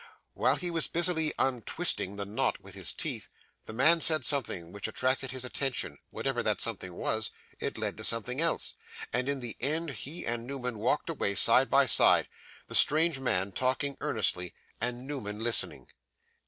While he was busily untwisting the knot with his teeth, the man said something which attracted his attention; whatever that something was, it led to something else, and in the end he and Newman walked away side by side the strange man talking earnestly, and Newman listening.